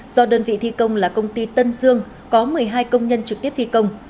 do đơn vị thi công là công ty tân dương có một mươi hai công nhân trực tiếp thi công